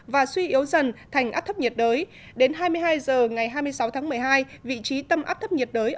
và suy yếu dần thành áp thấp nhiệt đới đến hai mươi hai h ngày hai mươi sáu tháng một mươi hai vị trí tâm áp thấp nhiệt đới